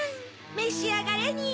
めしあがれニン！